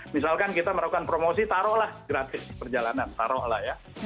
misalkan kita melakukan promosi taruhlah gratis perjalanan taruhlah ya